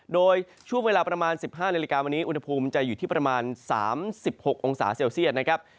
โดยช่วงเวลาประมาณ๑๕นาฬิกาวันนี้อุณหภูมิจะอยู่ที่ประมาณ๓๖องศาเซลเซียตนะครับ